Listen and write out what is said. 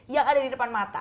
yang ada di depan mata